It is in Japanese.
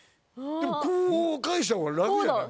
でもこう返した方が楽じゃない？